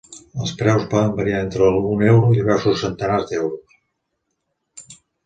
Els preus poden variar entre un euro i diversos centenars d'euros.